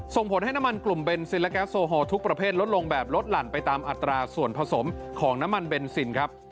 ส่งผลให้น้ำมันกลุ่มเบนซินและแก๊สโซฮอลทุกประเภทลดลงแบบลดหลั่นไปตามอัตราส่วนผสมของน้ำมันเบนซินครับ